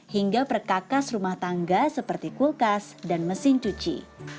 hingga perkakas rumah tangga seperti kulkas dan mesin cuci